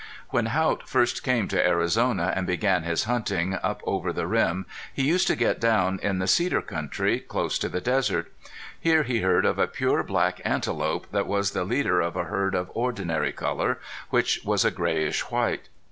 When Haught first came to Arizona and began his hunting up over the rim he used to get down in the cedar country, close to the desert. Here he heard of a pure black antelope that was the leader of a herd of ordinary color, which was a grayish white.